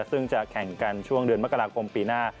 ซึ่งจะแข่งกันช่วงเดือนมกราคมปีหน้า